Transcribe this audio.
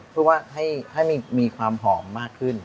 เพื่อว่าให้มีความหอมมากขึ้น